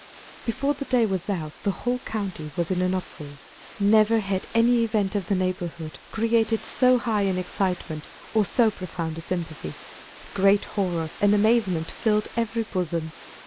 Before the day was out the whole county was in an uproar. Never had any event of the neighborhood created so high an excitement or so profound a sympathy. Great horror and amazement filled every bosom.